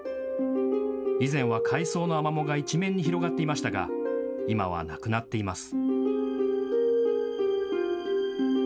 以前は海草のアマモが一面に広がっていましたが今はなくなっています。